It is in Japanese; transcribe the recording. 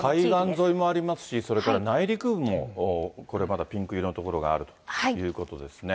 海岸沿いもありますし、それから内陸部もこれまだピンク色の所があるということですね。